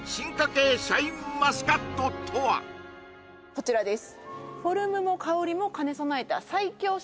こちらです